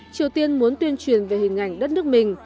triều tiên muốn tuyên truyền về hình ảnh đất nước mình